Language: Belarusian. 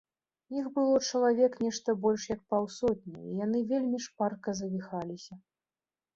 Іх было чалавек нешта больш як паўсотні, і яны вельмі шпарка завіхаліся.